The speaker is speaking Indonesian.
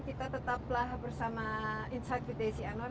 kita tetaplah bersama insight with desi anwar